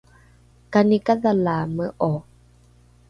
kani kadhalaame’o?